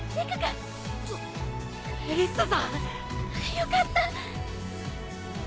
よかった！